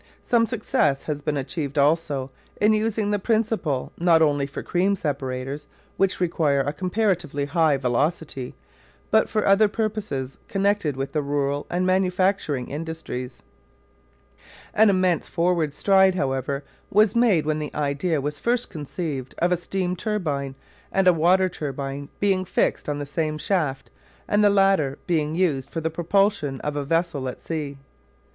Some success has been achieved also in using the principle not only for cream separators, which require a comparatively high velocity, but for other purposes connected with the rural and manufacturing industries. An immense forward stride, however, was made when the idea was first conceived of a steam turbine and a water turbine being fixed on the same shaft and the latter being used for the propulsion of a vessel at sea.